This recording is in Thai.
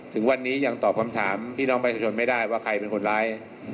ถึงวันนี้ยังตอบคำถามพี่น้องประชาชนไม่ได้ว่าใครเป็นคนร้าย